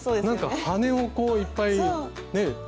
なんか羽をこういっぱいねえ。